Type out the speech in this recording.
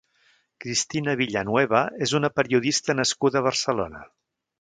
Cristina Villanueva és una periodista nascuda a Barcelona.